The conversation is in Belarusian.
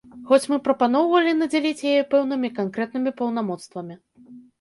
Хоць мы прапаноўвалі надзяліць яе пэўнымі, канкрэтнымі паўнамоцтвамі.